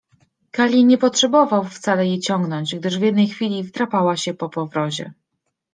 Kali nie potrzebował wcale jej ciągnąć, gdyż w jednej chwili wdrapała się po powrozie.